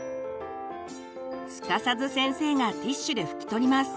すかさず先生がティシュで拭き取ります。